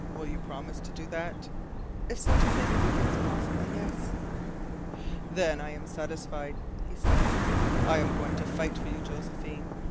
Will you promise to do that?" "If such a thing becomes possible, yes." "Then I am satisfied," he said. "I am going to fight for you, Josephine.